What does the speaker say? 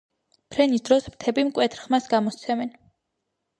ფრენის დროს ფრთები მკვეთრ ხმას გამოსცემენ.